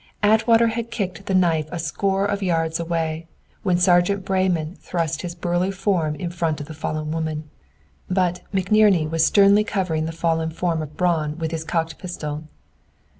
Atwater had kicked the knife a score of yards away, when Sergeant Breyman thrust his burly form in front of the fallen woman. But, McNerney was sternly covering the fallen form of Braun with his cocked pistol.